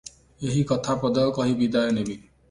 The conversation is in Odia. ଏହି କଥା ପଦକ କହି ବିଦାୟ ନେବି ।